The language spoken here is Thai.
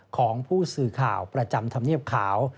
ของผู้สื่อข่าวประจำธรรมเนียบขาว